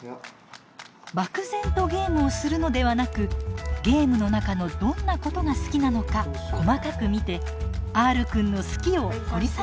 漠然とゲームをするのではなくゲームの中のどんなことが好きなのか細かく見てＲくんの「好き」を掘り下げていくんです。